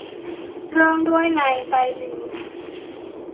เริ่มด้วยนายไซริล